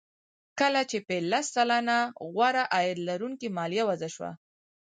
کله چې په لس سلنه غوره عاید لرونکو مالیه وضع شوه